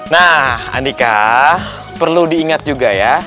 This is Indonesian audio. nah andika perlu diingat juga ya